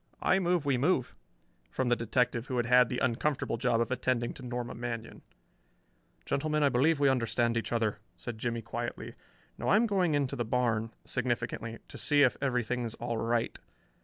"I move we move," from the detective who had had the uncomfortable job of attending to Norma Manion. "Gentleman, I believe we understand each other," said Jimmie quietly. "Now I am going into the barn" significantly "to see if everything's all right.